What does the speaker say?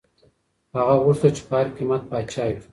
هغه غوښتل چي په هر قیمت پاچا وي.